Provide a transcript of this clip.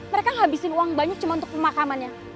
mereka habisin uang banyak cuma untuk pemakamannya